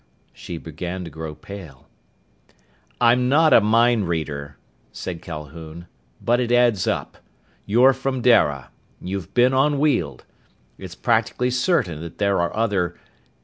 She began to grow pale. "I'm not a mind reader," said Calhoun. "But it adds up. You're from Dara. You've been on Weald. It's practically certain that there are other